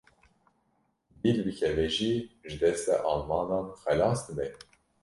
Dîl bikeve jî ji destê Almanan xelas dibe?